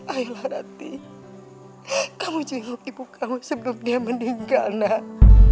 ayo ratih kamu jenguk ibu kamu sebelum dia meninggal nan